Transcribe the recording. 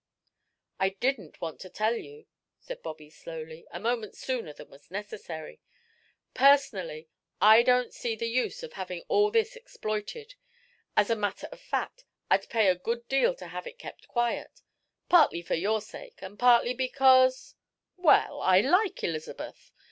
"I didn't want to tell you," said Bobby, slowly, "a moment sooner than was necessary. Personally, I don't see the use of having all this exploited as a matter of fact, I'd pay a good deal to have it kept quiet; partly for your sake, and partly because well, I like Elizabeth.